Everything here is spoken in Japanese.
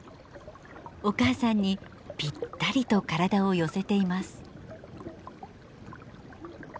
お母さんにぴったりと体を寄せています。